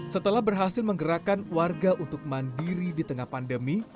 setelah berhasil menggerakkan warga untuk mandiri di tengah pandemi